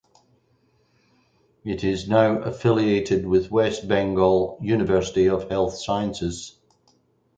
It is now affiliated with West Bengal University of Health Sciences.